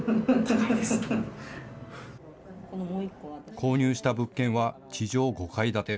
購入した物件は地上５階建て。